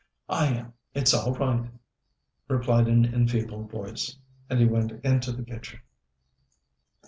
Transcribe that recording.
"I am. It's all right," replied an enfeebled voice; and he went into the kitchen.